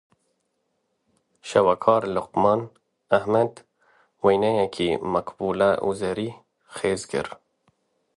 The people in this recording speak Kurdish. Şêwekar Luqman Ehmed wêneyekî Makbule Ozerê xêz kir.